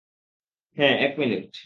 হ্যা, এক মিনিট।